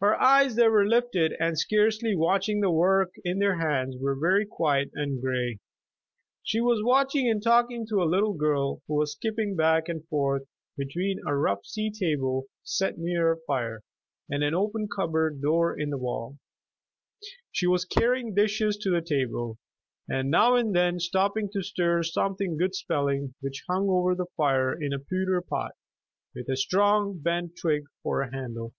Her eyes that were lifted and scarcely watching the work in her hands, were very quiet and gray. She was watching and talking to a little girl who was skipping back and forth between a rough tea table set near the fire and an open cupboard door in the wall. She was carrying dishes to the table, and now and then stopping to stir something good smelling which hung over the fire in a pewter pot, with a strong bent twig for a handle.